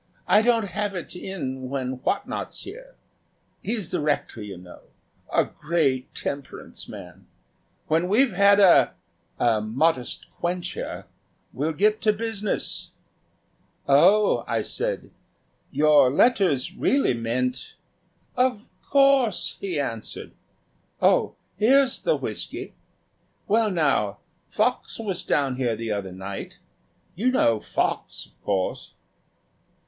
"I don't have it in when Whatnot's here. He's the Rector, you know; a great temperance man. When we've had a a modest quencher we'll get to business." "Oh," I said, "your letters really meant " "Of course," he answered. "Oh, here's the whiskey. Well now, Fox was down here the other night. You know Fox, of course?"